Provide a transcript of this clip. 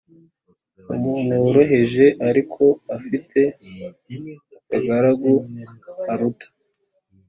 Umuntu woroheje ariko afite akagaragu Aruta